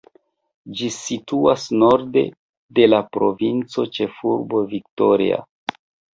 Ĝi situas norde de la provinca ĉefurbo Viktorio.